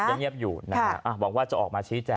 ยังเงียบอยู่บอกว่าจะออกมาชี้แจก